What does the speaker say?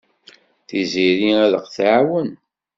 Tiziri ad aɣ-tɛawen.